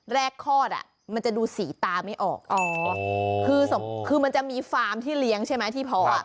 คลอดอ่ะมันจะดูสีตาไม่ออกอ๋อคือมันจะมีฟาร์มที่เลี้ยงใช่ไหมที่พออ่ะ